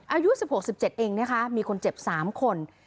อายุ๑๖๑๗เองนะคะมีคนเจ็บ๓คน